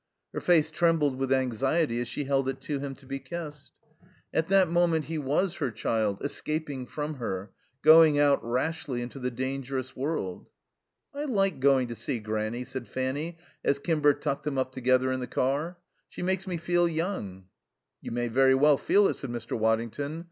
Her face trembled with anxiety as she held it to him to be kissed. At that moment he was her child, escaping from her, going out rashly into the dangerous world. "I like going to see Granny," said Fanny as Kimber tucked them up together in the car. "She makes me feel young." "You may very well feel it," said Mr. Waddington.